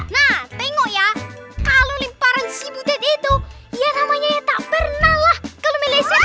nah tengok ya kalau limparan si butet itu ya namanya tak pernah lah kalau melesek